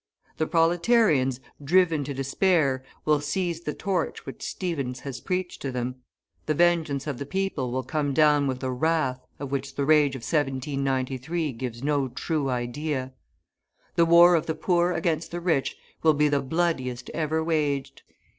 The proletarians, driven to despair, will seize the torch which Stephens has preached to them; the vengeance of the people will come down with a wrath of which the rage of 1793 gives no true idea. The war of the poor against the rich will be the bloodiest ever waged.